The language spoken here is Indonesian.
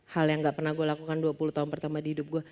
hal yang gak pernah gue lakukan dua puluh tahun pertama di hidup gue